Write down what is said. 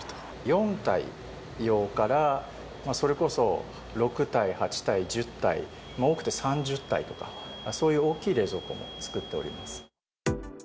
４体用から、それこそ６体、８体、１０体、多くて３０体とか、そういう大きい冷蔵庫も造っております。